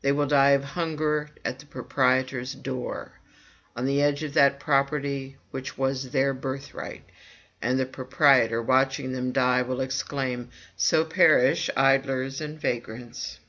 They will die of hunger at the proprietor's door, on the edge of that property which was their birthright; and the proprietor, watching them die, will exclaim, "So perish idlers and vagrants!"